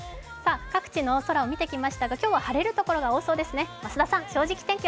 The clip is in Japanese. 各地の空を見てきましたが、今日は晴れるところが多そうですね、増田さん「正直天気」